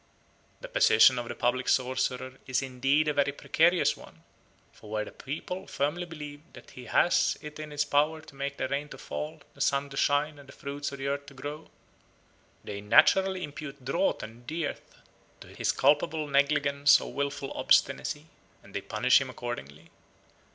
The position of the public sorcerer is indeed a very precarious one; for where the people firmly believe that he has it in his power to make the rain to fall, the sun to shine, and the fruits of the earth to grow, they naturally impute drought and dearth to his culpable negligence or wilful obstinacy, and they punish him accordingly.